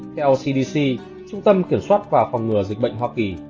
theo cdc trung tâm kiểm soát và phòng ngừa dịch bệnh hoa kỳ